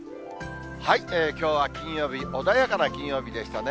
きょうは金曜日、穏やかな金曜日でしたね。